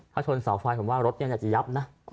ถ้าชนเสาไฟผมว่ารถจะยับนะ